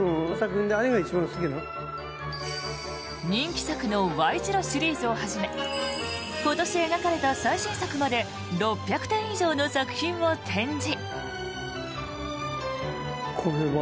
人気作の「Ｙ字路」シリーズをはじめ今年描かれた最新作まで６００点以上の作品を展示。